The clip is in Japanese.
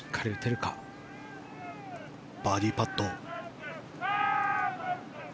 バーディーパット。